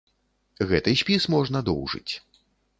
Гэты спіс можна доўжыць.